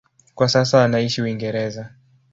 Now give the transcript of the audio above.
Kwa sasa anaishi Uingereza.